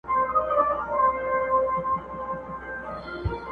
o تشه لاسه دښمن مي ته ئې!